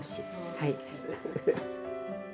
はい。